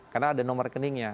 karena ada nomor rekeningnya